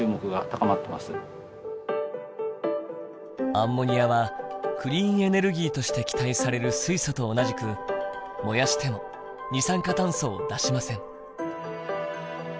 アンモニアはクリーンエネルギーとして期待される水素と同じく燃やしても二酸化炭素を出しません。